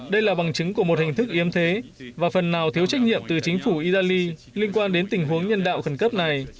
đây là bằng chứng của một hình thức yếm thế và phần nào thiếu trách nhiệm từ chính phủ italy liên quan đến tình huống nhân đạo khẩn cấp này